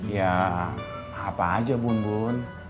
ya apa aja bun bun